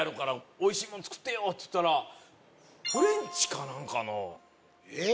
「おいしいもの作ってよ」って言ったらフレンチか何かのえっ！？